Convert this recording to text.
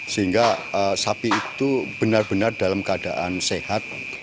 sehingga sapi itu benar benar dalam keadaan sehat